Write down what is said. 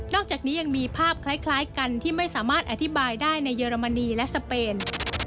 อกจากนี้ยังมีภาพคล้ายกันที่ไม่สามารถอธิบายได้ในเยอรมนีและสเปน